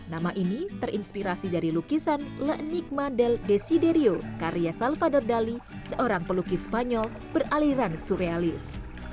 nama ini terinspirasi dari lukisan la enigma del desiderio karya salvador dali seorang pelukis spanyol beraliran surrealis